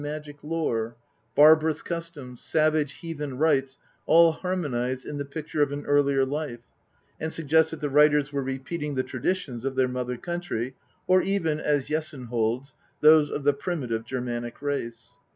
v magic lore, barbarous customs, savage heathen rites all harmonise in the picture of an earlier life, and suggest that the writers were repeating the traditions of their mother country, or even, as Jessen holds, those of the primitive Germanic race.